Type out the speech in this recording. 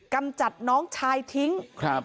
กำจัดน้องชายทิ้ง